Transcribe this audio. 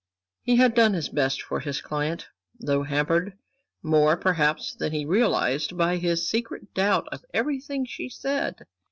He had done his best for his client, though hampered more, perhaps, than he realized by his secret doubt of everything she said.